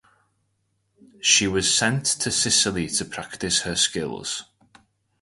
She was sent to Sicily to practise her skills.